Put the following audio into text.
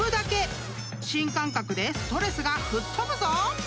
［新感覚でストレスが吹っ飛ぶぞ！］